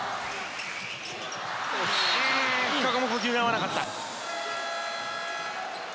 ここも呼吸が合わなかった。